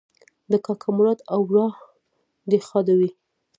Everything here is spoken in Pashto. د کاکا مراد اوراح دې ښاده وي